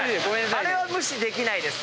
あれは無視できないです。